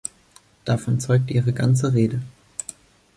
Davon zeugt Ihre ganze Rede.